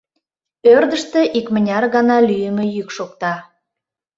Ӧрдыжтӧ икмыняр гана лӱйымӧ йӱк шокта.